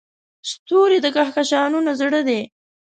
ستوري د کهکشانونو زړه دي.